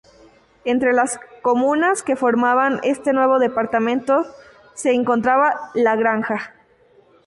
Entre las comunas que formaban este nuevo departamento se encontraba La Granja.